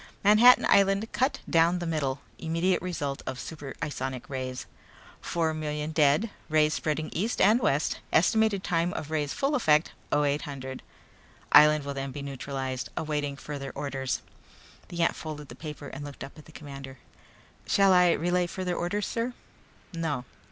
Manhattan island cut down the middle immediate result of super isonic rays; four million dead rays spreading east and west estimated time of rays' full effect; 0800 island will then be neutralized awaiting further orders." The ant folded the paper and looked up at the commander. "Shall I relay further orders, sir?" "No."